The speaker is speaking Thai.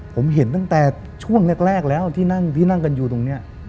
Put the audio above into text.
ผมเห็นตั้งแต่ช่วงแรกแล้วที่นั่งกันอยู่ตรงเนี่ย